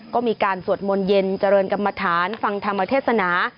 ก็มีการสวดมนต์เย็นเจริญกรรมฐานฟังธรรมเทศนา